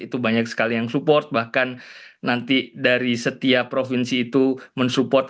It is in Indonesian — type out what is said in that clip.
itu banyak sekali yang support bahkan nanti dari setiap provinsi itu mensupport